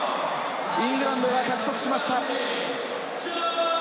イングランドが獲得しました。